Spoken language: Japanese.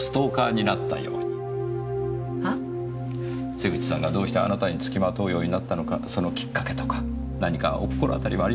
瀬口さんがどうしてあなたに付きまとうようになったのかそのきっかけとか何かお心当たりはありませんか？